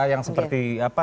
yang seperti apa